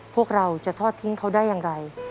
พวกเราจะทอดทิ้งเขาได้อย่างไร